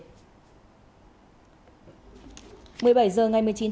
một mươi bảy h ngày một mươi chín tháng